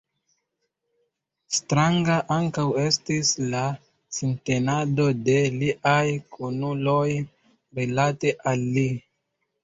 Stranga ankaŭ estis la sintenado de liaj kunuloj rilate al li.